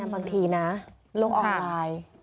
บางทีนะโลกออนไลน์